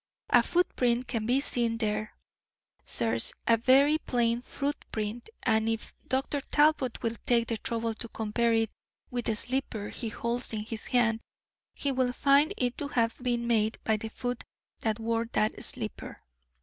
A footprint can be seen there, sirs, a very plain footprint, and if Dr. Talbot will take the trouble to compare it with the slipper he holds in his hand, he will find it to have been made by the foot that wore that slipper."